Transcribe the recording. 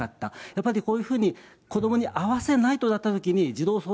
やはりそういうふうに子どもに会わせないとなったときに、児童相